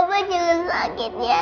papa jangan sakit ya